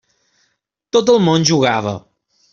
Tot el món jugava.